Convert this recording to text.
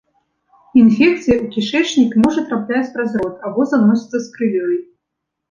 Інфекцыя ў кішэчнік можа трапляць праз рот або заносіцца з крывёй.